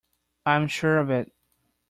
I am sure of it.